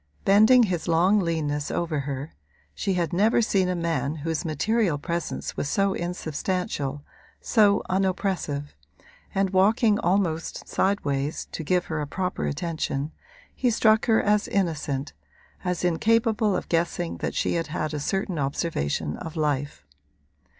Bending his long leanness over her (she had never seen a man whose material presence was so insubstantial, so unoppressive) and walking almost sidewise, to give her a proper attention, he struck her as innocent, as incapable of guessing that she had had a certain observation of life.